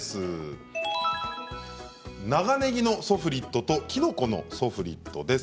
長ねぎのソフリットときのこのソフリットです。